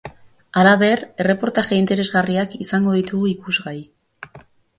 Halaber, erreportaje interesgarriak izango ditugu ikusgai.